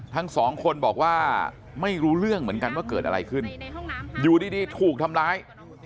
ทั้งสองคนบอกว่าไม่รู้เรื่องเหมือนกันว่าเกิดอะไรขึ้นอยู่ดีถูกทำร้าย